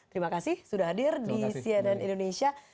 terima kasih sudah hadir di cnn indonesia